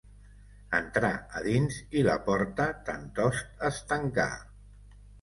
Entrà a dins i la porta tantost es tancà.